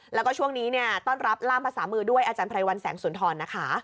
แล้วก็ช่วงนี้เนี่ยต้อนรับล่ามภาษามือด้วยอาจารย์ไพรวัลแสงสุนทรนะคะ